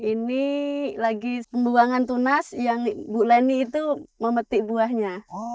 ini lagi pembuangan tunas yang bu leni itu memetik buahnya